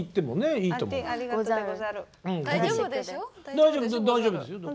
大丈夫ですよ大丈夫ですよ。